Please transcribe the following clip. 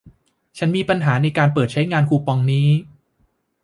ฉันมีปัญหาในการเปิดใช้งานคูปองนี้